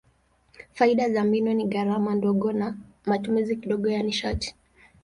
Faida za mbinu hii ni gharama ndogo na matumizi kidogo ya nishati.